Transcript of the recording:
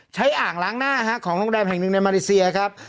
อ่างล้างหน้าของโรงแรมแห่งหนึ่งในมาเลเซียครับ